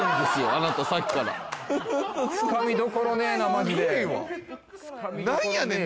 あなたさっきからつかみどころねえなマジですごいわ何やねん！？